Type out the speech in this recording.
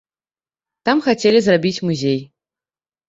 Там хацелі зрабіць музей.